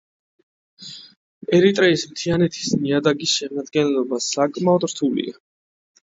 ერიტრეის მთიანეთის ნიადაგის შემადგენლობა საკმაოდ რთულია.